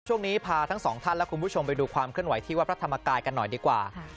ช่วงนี้พาทั้งสองท่านและคุณผู้ชมไปดูความเคลื่อนไหวที่วัดพระธรรมกายกันหน่อยดีกว่า